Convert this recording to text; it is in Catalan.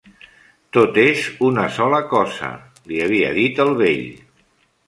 "Tot és una sola cosa", li havia dit el vell.